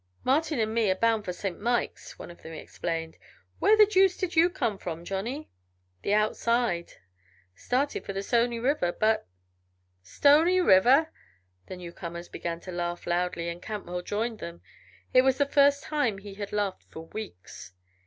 "Martin and me are bound for Saint Mikes," one of them explained. "Where the deuce did you come from, Johnny?" "The 'outside.' Started for Stony River, but " "Stony River!" The newcomers began to laugh loudly and Cantwell joined them. It was the first time he had laughed for weeks.